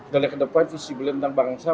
dari kedepan isi beliau tentang bangsa